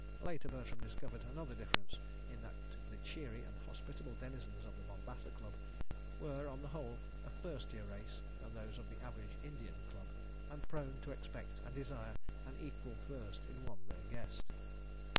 Later Bertram discovered another difference in that the cheery and hospitable denizens of the Mombasa Club were, on the whole, a thirstier race than those of the average Indian club, and prone to expect and desire an equal thirst in one their guest.